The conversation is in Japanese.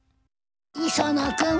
磯野君！